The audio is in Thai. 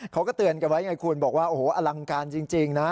เขาก็เตือนกันไว้ไงคุณบอกว่าโอ้โหอลังการจริงนะ